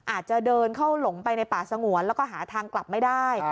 อาจจะเดินเข้าหลงไปในป่าสงวนแล้วก็หาทางกลับไม่ได้